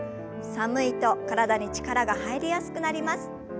寒いと体に力が入りやすくなります。